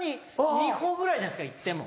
２歩ぐらいじゃないですかいっても。